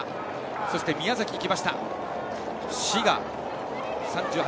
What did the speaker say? そして宮崎が行きました。